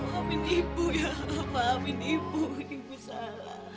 amin ibu ya pak amin ibu ibu salah